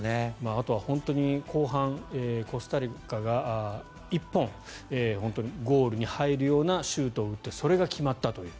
あとは本当に後半、コスタリカが１本、ゴールに入るようなシュートを打ってそれが決まったという。